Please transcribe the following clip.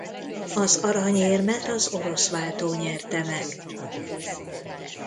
Az aranyérmet az orosz váltó nyerte meg.